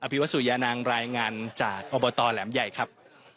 ภิวสุยานางรายงานจากอบตแหลมใหญ่ครับ